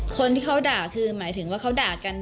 คนที่เขาด่าคือหมายถึงว่าเขาด่ากัน